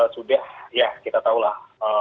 sudah ya kita tahu lah